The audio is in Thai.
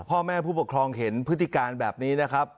ถูกต้องครับพ่อแม่ผู้ปกครองเห็นพฤติการแบบนี้นะครับ